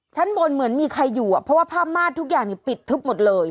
ชั้นบนเหมือนมีใครอยู่อ่ะเพราะว่าผ้ามาดทุกอย่างปิดทึบหมดเลย